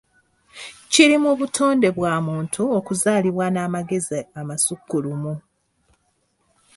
Kiri mu butonde bwa muntu okuzaalibwa n'amagezi amasukkulumu.